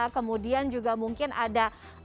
kemudian juga mungkin ada